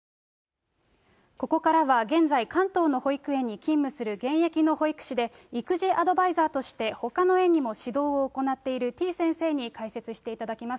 ここからは現在、関東の保育園に勤務する現役の保育士で、育児アドバイザーとして、ほかの園にも指導を行っているてぃ先生に解説していただきます。